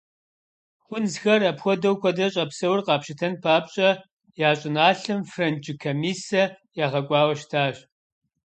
Хунзхэр апхуэдэу куэдрэ щӏэпсэур къапщытэн папщӏэ, я щӏыналъэм франджы комиссэ ягъэкӏуауэ щытащ.